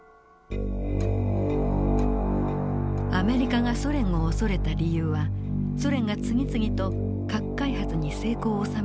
アメリカがソ連を恐れた理由はソ連が次々と核開発に成功を収めたからでした。